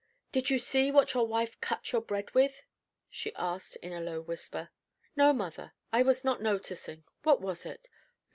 "Did you see what your wife cut your bread with?" she asked, in a low whisper. "No, mother I was not noticing what was it?"